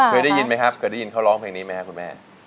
เคยได้ยินเขาร้องเพลงนี้ไหมครับคุณแม่